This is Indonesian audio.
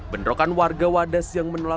benerokan warga wades yang menelanjuti